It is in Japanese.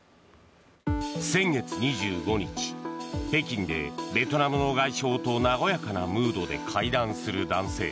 先月２５日北京でベトナムの外相と和やかなムードで会談する男性。